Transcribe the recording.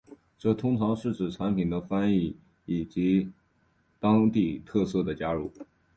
这通常是指产品的翻译以及当地特色的加入。